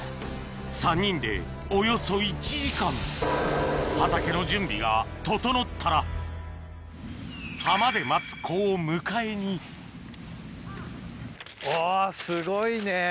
３人でおよそ１時間畑の準備が整ったら浜で待つ子を迎えにおすごいね。